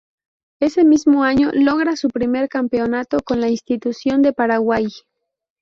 Ese mismo año logra su primer campeonato con la institución de Paraguay.